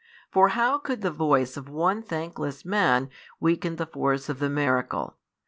For how could the voice of one thankless man weaken the force of the miracle?